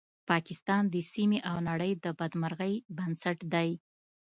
پاکستان د سیمې او نړۍ د بدمرغۍ بنسټ دی